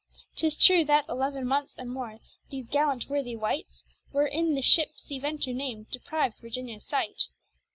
Tis true that eleaven months and more, these gallant worthy wights War in the shippe Sea venture nam'd depriv'd Virginia's sight.